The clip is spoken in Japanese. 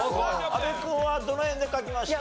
阿部君はどの辺で書きました？